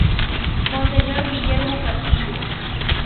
Monseñor Guillermo Castillo.